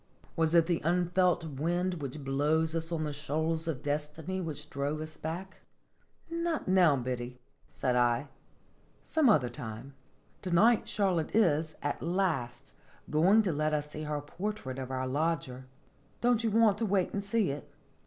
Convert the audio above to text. Was it the unfelt wind which blows us on the shoals of destiny which drove us back ? "Not now, Biddy," said I; "some other time. To night Charlotte is, at last, going to let us see her portrait of our lodger. Don't you want to wait and see it?"